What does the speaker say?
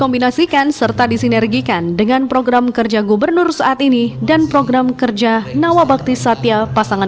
kofifah juga berjanji akan mengakomodir program kerja yang dicanangkan oleh gus ipul putih